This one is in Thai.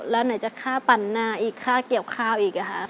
แล้วไหนจะค่าปั่นหน้าอีกค่าเกี่ยวข้าวอีกอะคะ